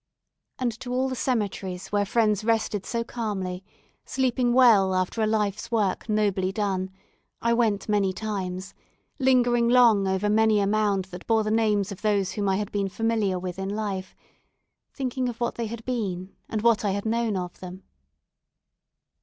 And to all the cemeteries where friends rested so calmly, sleeping well after a life's work nobly done, I went many times, lingering long over many a mound that bore the names of those whom I had been familiar with in life, thinking of what they had been, and what I had known of them.